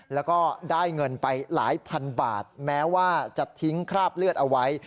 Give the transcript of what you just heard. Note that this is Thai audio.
แล้วก็ได้เงินไปหลายพันบาทแม้ว่าจะทิ้งคราบเลือดเอาไว้